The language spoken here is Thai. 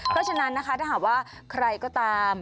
เพราะฉะนั้นนะคะถ้าหากว่าใครก็ตาม